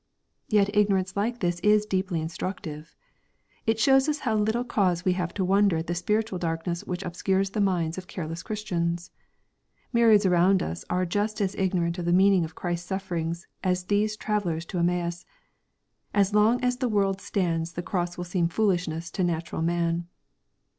Yet ignorance like this is deeply instructive. It shows us how little cause we have to wonder at the spiritual darkness which obscures the minds of careless Christians. Myriads around us are just as ignorant of the meaning of Christ's sufferings as these travellers to Emraaus. As long as the world stands the cross will seem foolishness to natural man.